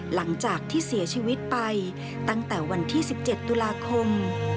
หลังจากที่เสียชีวิตไปตั้งแต่วันที่๑๗ตุลาคม